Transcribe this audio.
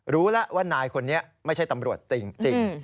รู้แล้วว่านายคนนี้ไม่ใช่ตำรวจจริง